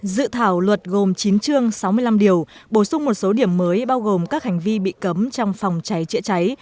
dự thảo luật gồm chín chương sáu mươi năm điều bổ sung một số điểm mới bao gồm các hành vi bị cấm trong phòng cháy chữa cháy